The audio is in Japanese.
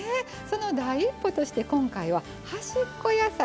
その第一歩として今回は「端っこ野菜」。